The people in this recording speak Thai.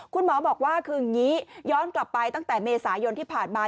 คุณหมอบอกว่าคืออย่างนี้ย้อนกลับไปตั้งแต่เมษายนที่ผ่านมา